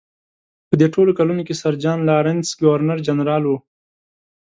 په دې ټولو کلونو کې سر جان لارنس ګورنر جنرال و.